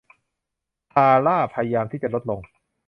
ธาร่าพยายามที่จะลดลง